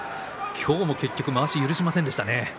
今日も結局まわしを許しませんでしたね。